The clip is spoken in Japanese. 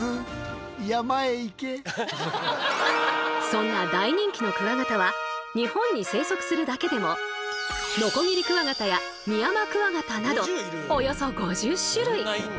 そんな大人気のクワガタは日本に生息するだけでもノコギリクワガタやミヤマクワガタなどおよそ５０種類！